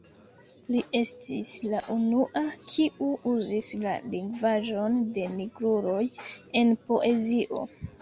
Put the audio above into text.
Li estis la unua kiu uzis la lingvaĵon de nigruloj en poezio.